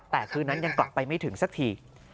แต่คืนนั้นยังกลับไปไม่ถึงสักที